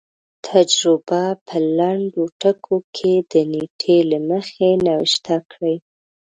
تجربه په لنډو ټکو کې د نېټې له مخې نوشته کړي.